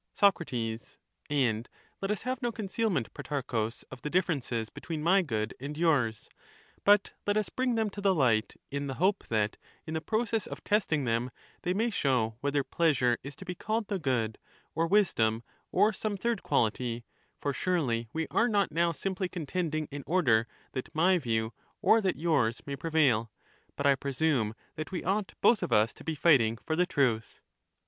' Probably corrupt. Digitized by VjOOQIC Childish puzzles. 579 Soc. And let us have no concealment, Protarchus, of the PhUebus. differences between my good and yours; but let us bring socratbs, them to the light in the hope that, in the process of testing p«otarchus. them, they may show whether pleasure is to be called the good, or wisdom, or some third quality ; for surely we are not now simply contending in order that my view or that yours may prevail, but I presume that we ought both of us to be fighting for the truth.